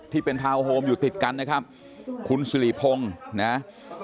ที่เป็นทาวน์โฮมอยู่ติดกันนะครับคุณสิริพงศ์นะฮะ